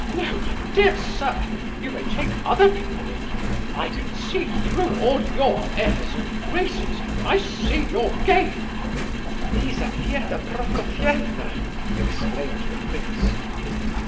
No, my dear sir, you may take other people in! I can see through all your airs and graces, I see your game!" "Lizabetha Prokofievna!" exclaimed the prince.